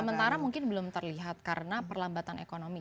sementara mungkin belum terlihat karena perlambatan ekonomi